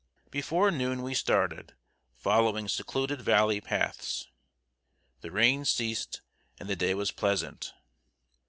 Before noon we started, following secluded valley paths. The rain ceased and the day was pleasant.